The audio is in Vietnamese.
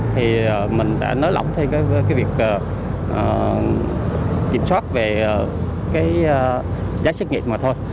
thì mình đã nới lỏng thêm cái việc kiểm soát về cái giá trách nhiệm mà thôi